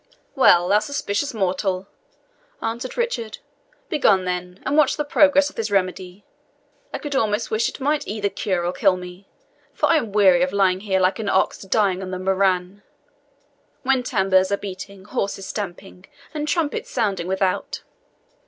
"Well, thou suspicious mortal," answered Richard, "begone then, and watch the progress of this remedy. I could almost wish it might either cure or kill me, for I am weary of lying here like an ox dying of the murrain, when tambours are beating, horses stamping, and trumpets sounding without."